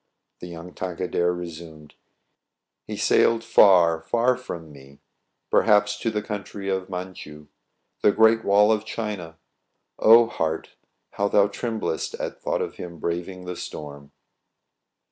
The young Tankadere resumed :—" He sailed far, far from me, Perhaps to The country of Mantchoux, The great wall of China. O heart ! how thou tremblest At thought of him braving The storm